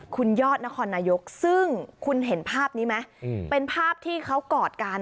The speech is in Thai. คุณยอดนครนายกซึ่งคุณเห็นภาพนี้ไหมเป็นภาพที่เขากอดกัน